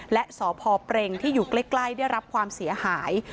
และสพเปรงที่อยู่ใกล้ได้รับความเสียหาย